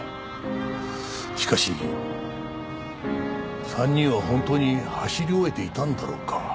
しかし３人は本当に走り終えていたんだろうか？